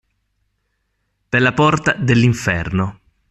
Per la porta dell'inferno.